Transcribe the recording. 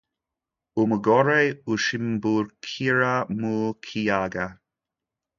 Umugore usimbukira mu kiyaga